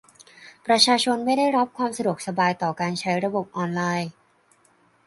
ประชาชนไม่ได้รับความสะดวกสบายต่อการใช้ระบบออนไลน์